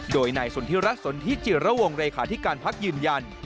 โดยนายสนทิรัฐสนทิจิระวงเลขาธิการพักยืนยัน